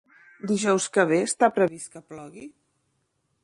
Dijous que ve està previst que plogui?